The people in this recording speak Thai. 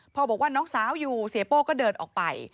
บอกว่าน้องสาวอยู่เสียโป้ก็เดินออกไป